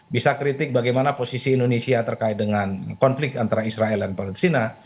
bisa kritik bagaimana posisi indonesia terkait dengan konflik antara israel dan palestina